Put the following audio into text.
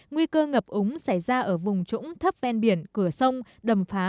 nguy cơ ngập úng xảy ra ở vùng trũng thấp ven biển cửa sông đầm phá